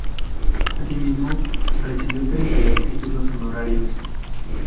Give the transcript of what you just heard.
Así mismo, recibió treinta y dos títulos honorarios.